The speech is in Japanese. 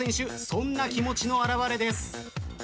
そんな気持ちの表れです。